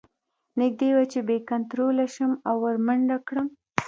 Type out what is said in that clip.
نږدې وه چې بې کنتروله شم او ور منډه کړم